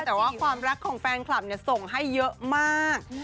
แต่ว่าความรักของแฟนคลับส่งให้เยอะมาก